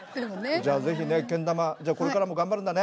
じゃあぜひねけん玉じゃあこれからも頑張るんだね。